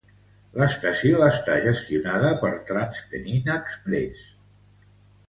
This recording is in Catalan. L"estació està gestionada per TransPennine Express.